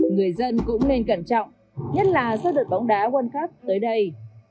người dân cũng nên cẩn trọng nhất là do đợt bóng đá quân khắp tới đây